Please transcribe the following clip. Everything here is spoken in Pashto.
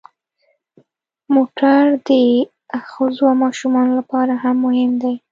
موټر د ښځو او ماشومانو لپاره هم مهم دی.